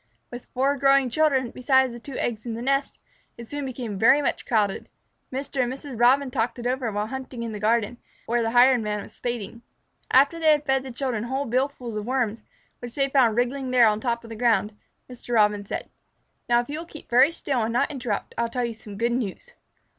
With four growing children besides the two eggs in the nest, it soon became very much crowded. Mr. and Mrs. Robin talked it over while hunting in the garden, where the Hired Man was spading. After they had fed the children whole billfuls of Worms, which they had found wriggling there on top of the ground, Mr. Robin said: "Now, if you will keep very still and not interrupt, I will tell you some good news."